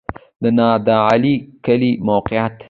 د نادعلي کلی موقعیت